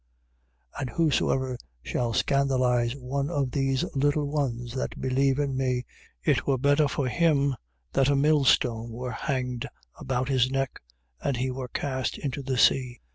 9:41. And whosoever shall scandalize one of these little ones that believe in me: it were better for him that a millstone were hanged about his neck and he were cast into the sea.